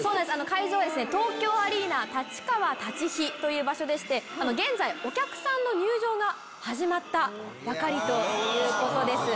会場は東京アリーナ立川立飛という場所で現在お客さんの入場が始まったばかりということです。